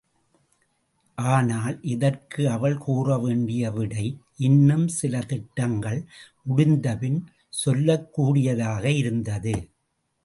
ஆனால், இதற்கு அவள் கூறவேண்டிய விடை இன்னும் சில திட்டங்கள் முடிந்தபின் சொல்லக் கூடியதாக இருந்தது.